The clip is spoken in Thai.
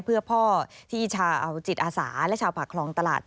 เพื่อพ่อที่ชาวจิตอาสาและชาวปากคลองตลาด